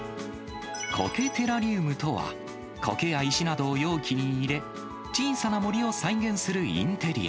こけテラリウムとは、こけや石などを容器に入れ、小さな森を再現するインテリア。